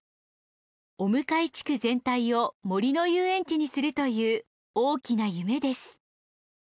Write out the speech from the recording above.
尾向地区全体を森のゆうえんちにするという大きな夢です。